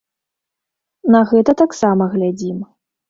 На гэта таксама глядзім.